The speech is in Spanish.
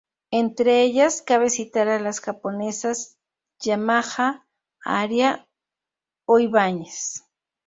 Entre ellas cabe citar a las japonesas Yamaha, Aria o Ibanez.